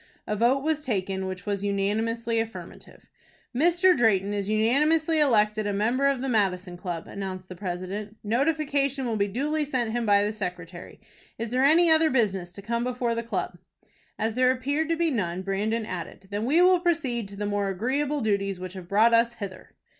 A vote was taken which was unanimously affirmative. "Mr. Drayton is unanimously elected a member of the Madison Club," announced the president. "Notification will be duly sent him by the secretary. Is there any other business to come before the club?" As there appeared to be none, Brandon added, "Then we will proceed to the more agreeable duties which have brought us hither."